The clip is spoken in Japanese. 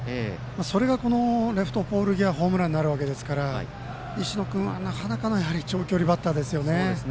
それがレフトポール際ホームランになるわけですから石野君はなかなかの長距離バッターですね。